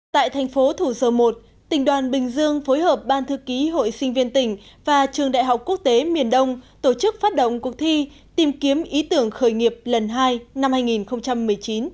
tại thành phố thủ sơ i tỉnh đoàn bình dương phối hợp ban thư ký hội sinh viên tỉnh và trường đại học quốc tế miền đông tổ chức phát động cuộc thi tìm kiếm ý tưởng khởi nghiệp lần hai năm hai nghìn một mươi chín